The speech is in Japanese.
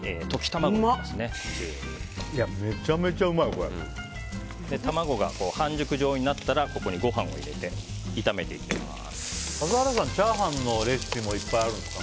卵が半熟状になったらご飯を入れて炒めていきます。